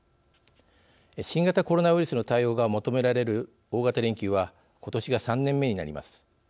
新型コロナウイルスの対応が求められる大型連休はことしが３年目になります。